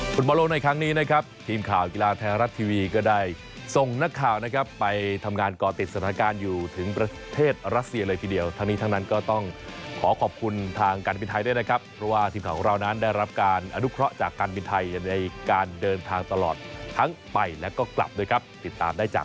ฟุตบอลโลกในครั้งนี้นะครับทีมข่าวกีฬาไทยรัฐทีวีก็ได้ส่งนักข่าวนะครับไปทำงานก่อติดสถานการณ์อยู่ถึงประเทศรัสเซียเลยทีเดียวทั้งนี้ทั้งนั้นก็ต้องขอขอบคุณทางการบินไทยด้วยนะครับเพราะว่าทีมข่าวของเรานั้นได้รับการอนุเคราะห์จากการบินไทยในการเดินทางตลอดทั้งไปแล้วก็กลับด้วยครับติดตามได้จาก